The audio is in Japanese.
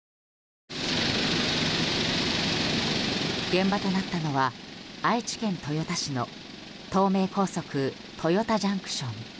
現場となったのは愛知県豊田市の東名高速豊田ＪＣＴ。